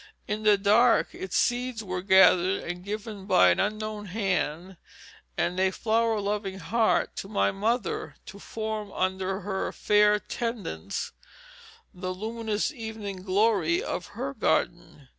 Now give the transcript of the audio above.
In the dark its seeds were gathered and given by an unknown hand and a flower loving heart to my mother, to form under her "fair tendance" the luminous evening glory of her garden.